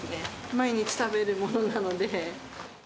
毎日食べるものなので。